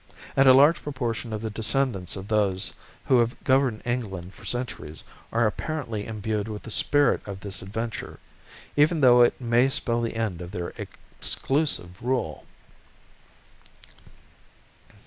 And a large proportion of the descendants of those who have governed England for centuries are apparently imbued with the spirit of this adventure, even though it may spell the end of their exclusive rule.